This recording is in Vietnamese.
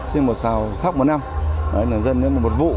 trên một xào khác một năm